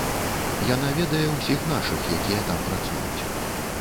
Яна ведае ўсіх нашых, якія там працуюць.